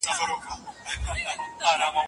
منافق د دوزخ په تل کې دی.